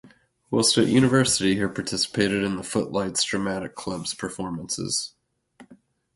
Whilst at university he participated in the Footlights Dramatic Club's performances.